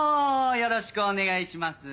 よろしくお願いします。